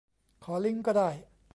ขอลิงก์ก็ได้